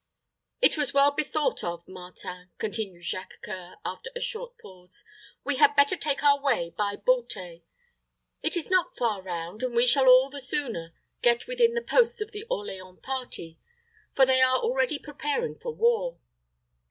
"It was well bethought of, Martin," continued Jacques C[oe]ur, after a short pause. "We had better take our way by Beauté. It is not far round, and we shall all the sooner get within the posts of the Orleans party; for they are already preparing for war.